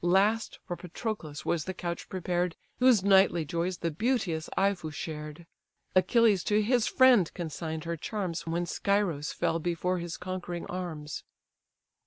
Last, for Patroclus was the couch prepared, Whose nightly joys the beauteous Iphis shared; Achilles to his friend consign'd her charms When Scyros fell before his conquering arms.